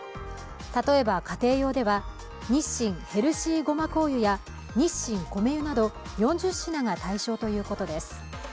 例えば、家庭用では日清ヘルシーごま香油や日清こめ油など４０品が対象ということです。